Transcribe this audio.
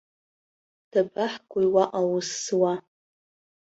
Дабаҳгои уаҟа аус зуа?